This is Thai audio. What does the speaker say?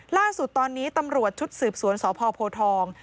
ล่าสุดตอนนี้ตำรวจชุดสืบสวนสพโพทอง